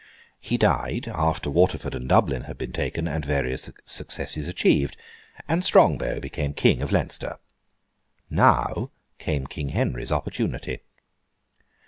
He died, after Waterford and Dublin had been taken, and various successes achieved; and Strongbow became King of Leinster. Now came King Henry's opportunity.